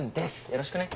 よろしくね。